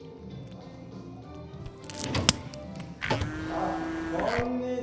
あっこんにちは。